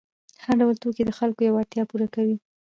هر ډول توکي د خلکو یوه اړتیا پوره کوي.